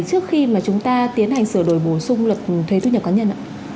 trước khi mà chúng ta tiến hành sửa đổi bổ sung luật thuế thu nhập cá nhân ạ